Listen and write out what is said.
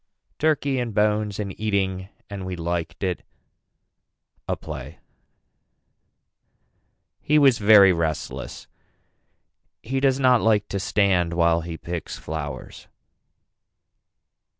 TURKEY AND BONES AND EATING AND WE LIKED IT A PLAY He was very restless. He does not like to stand while he picks flowers.